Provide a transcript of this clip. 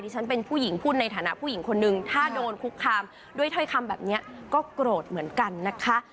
ฉันเป็นผู้หญิงพูดในฐานะผู้หญิงคนนึงถ้าโดนคุกคามด้วยถ้อยคำแบบนี้ก็โกรธเหมือนกันนะคะ